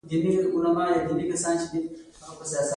هغه له رئيس سره څو دقيقې لنډې خبرې وکړې.